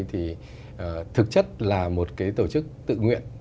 thực chất là một tổ chức tự nguyện